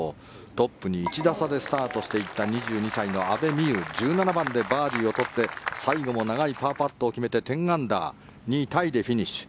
トップに１打差でスタートでしていった２２歳、阿部未悠１７番でバーディーを取って最後も長いパーパットを決めて１０アンダー２位タイでフィニッシュ。